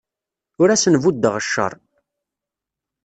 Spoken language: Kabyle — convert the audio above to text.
Ur asen-buddeɣ cceṛ.